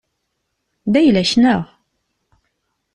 D ayla-k, neɣ?